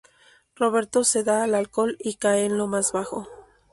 Roberto se da al alcohol y cae en lo más bajo.